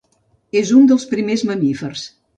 És un dels primers mamífers.